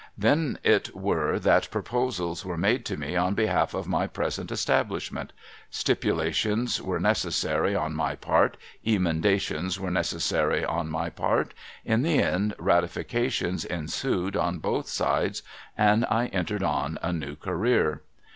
Then it were that proposals were made to me on behalf of my present establishment. Stipulations were necessary on my part, emendations were necessary on my part : in the end, ratifications ensued on both sides, and I entered on a new career.